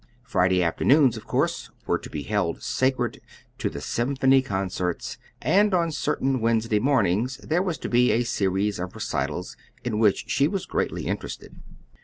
Friday afternoons, of course, were to be held sacred to the Symphony concerts; and on certain Wednesday mornings there was to be a series of recitals, in which she was greatly interested.